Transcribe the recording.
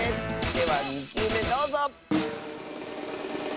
では２きゅうめどうぞ！